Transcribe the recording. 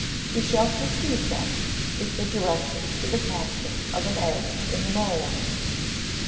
We shall proceed, then, with the directions for the casting of an egg in the mould.